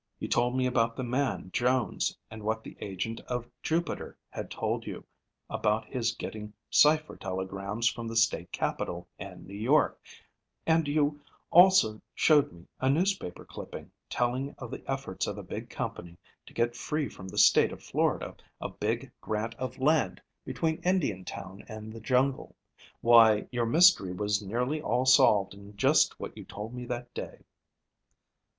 You told me about the man Jones, and what the agent at Jupiter had told you about his getting cipher telegrams from the state capital and New York, and you also showed me a newspaper clipping, telling of the efforts of a big company to get free from the State of Florida a big grant of land between Indiantown and the jungle. Why, your mystery was nearly all solved in just what you told me that day."